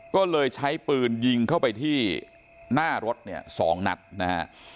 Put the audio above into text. ก็เลยใช้ปืนยิงเข้าไปที่หน้ารถเนี่ย๒นัดนะฮะ